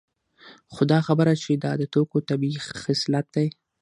خو دا خبره چې دا د توکو طبیعي خصلت دی